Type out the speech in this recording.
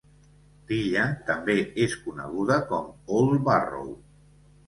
L'illa també és coneguda com "Old Barrow".